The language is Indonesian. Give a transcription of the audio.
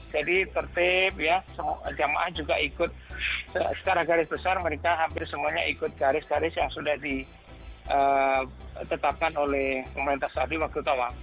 jadi tertib ya semua jamaah juga ikut secara garis besar mereka hampir semuanya ikut garis garis yang sudah ditetapkan oleh pemerintah saudi waktu tawaf